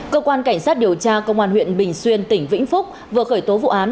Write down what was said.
cơ quan cảnh sát điều tra công an huyện bình xuyên tỉnh vĩnh phúc vừa khởi tố vụ án